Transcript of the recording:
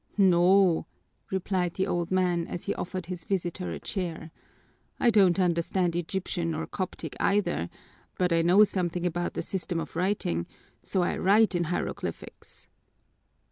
"No," replied the old man, as he offered his visitor a chair. "I don't understand Egyptian or Coptic either, but I know something about the system of writing, so I write in hieroglyphics."